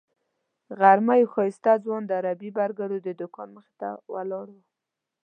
غرمه یو ښایسته ځوان د عربي برګرو د دوکان مخې ته ولاړ و.